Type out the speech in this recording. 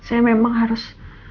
saya memang harus